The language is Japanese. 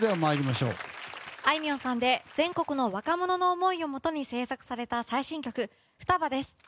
あいみょんさんで全国の若者の思いをもとに制作された最新曲「双葉」です。